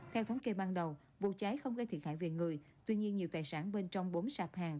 theo thống kê ban đầu vụ cháy không gây thiệt hại về người tuy nhiên nhiều tài sản bên trong bốn sạp hàng